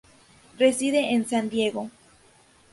Reside en San Diego.